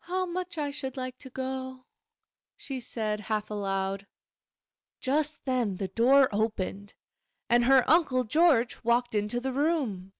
'How much I should like to go!' she said, half aloud. Just then the door opened, and her Uncle George walked into the room.